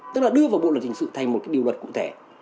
tức là đưa vào bộ luật hình sự thành một cái điều luật cụ thể